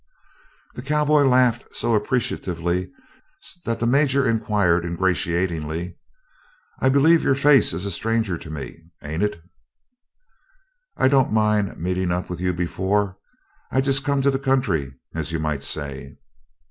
The cowboy laughed so appreciatively that the Major inquired ingratiatingly: "I bleeve your face is a stranger to me, ain't it?" "I don't mind meetin' up with you before. I've just come to the country, as you might say."